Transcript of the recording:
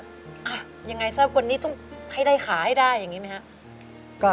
ยังไงซะคนนี้ต้องให้ได้ขาให้ได้อย่างนี้ไหมครับ